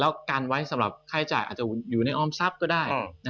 แล้วกันไว้สำหรับไค้จ่ายอยู่ในออกมองก็ได้